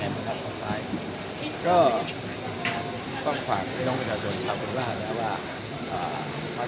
แต่ว่าใครจะไปคู่ตะตั้งคุณไม่ทราบแน่